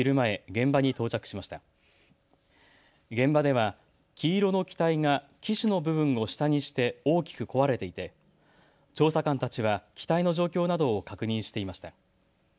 現場では黄色の機体が機首の部分を下にして大きく壊れていて調査官たちは機体の状況などを確認していました。